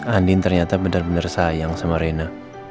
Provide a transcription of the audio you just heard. andin ternyata bener bener sayang sama raina